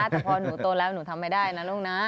แต่พอหนูโตแล้วหนูทำไม่ได้นะลูกนะ